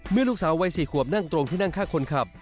ลูกสาววัย๔ขวบนั่งตรงที่นั่งข้างคนขับ